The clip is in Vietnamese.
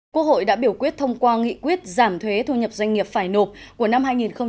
quốc hội đã biểu quyết thông qua nghị quyết giảm thuế thu nhập doanh nghiệp phải nộp của năm hai nghìn hai mươi